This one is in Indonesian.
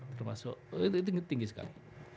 termasuk itu tinggi sekali